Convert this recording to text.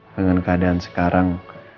dengan keadaan sekarang